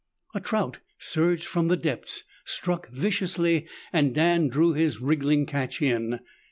A trout surged from the depths, struck viciously, and Dan drew his wriggling catch in.